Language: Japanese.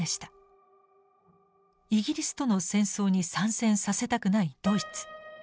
イギリスとの戦争に参戦させたくないドイツ。